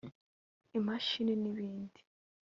imashini n’ibindi